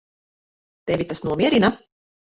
Tevi tas nomierina?